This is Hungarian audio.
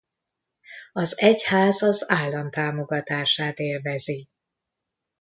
Az egyház az állam támogatását élvezi.